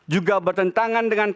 juga bertentangan dengan